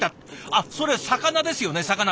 あっそれ魚ですよね魚。